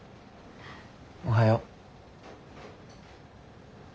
おはよう。